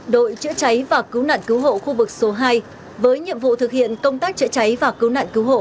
đội chữa cháy và cứu nạn cứu hộ khu vực số hai với nhiệm vụ thực hiện công tác chữa cháy và cứu nạn cứu hộ